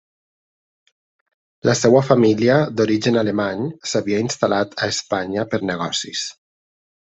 La seva família, d'origen alemany, s'havia instal·lat a Espanya per negocis.